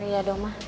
ini ya dong mah